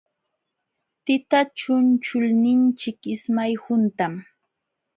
Tita chunchulninchik ismay huntam.